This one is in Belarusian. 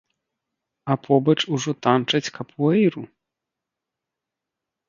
А побач ужо танчаць капуэйру!